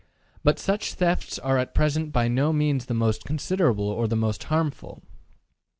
But such thefts are at present by no means the most considerable or the most harmful.